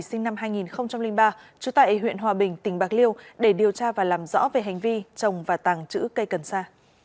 hai nghìn ba chú tại huyện hòa bình tỉnh bạc liêu để điều tra và làm rõ về hành vi trồng và tàng trữ cây cần sa